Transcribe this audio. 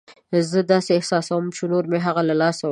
زه داسې احساسوم چې نور مې هغه له لاسه ورکړ.